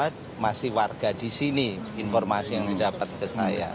terima kasih warga di sini informasi yang didapat ke saya